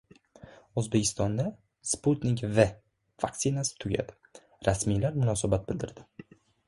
O‘zbekistonda «Sputnik V» vaksinasi tugadi. Rasmiylar munosabat bildirdi